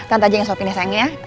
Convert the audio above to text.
tante aja yang sopinnya sayang